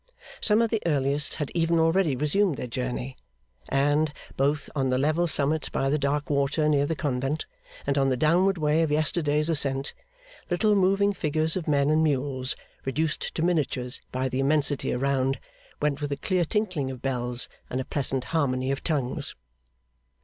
Some of the earliest had even already resumed their journey; and, both on the level summit by the dark water near the convent, and on the downward way of yesterday's ascent, little moving figures of men and mules, reduced to miniatures by the immensity around, went with a clear tinkling of bells and a pleasant harmony of tongues.